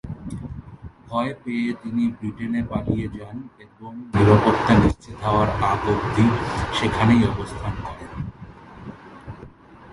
ভয় পেয়ে তিনি ব্রিটেনে পালিয়ে যান এবং নিরাপত্তা নিশ্চিত হওয়ার আগ অব্দি সেখানেই অবস্থা করেন।